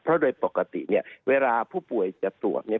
เพราะโดยปกติเนี่ยเวลาผู้ป่วยจะตรวจเนี่ย